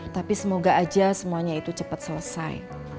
tapi semoga aja semuanya itu cepat selesai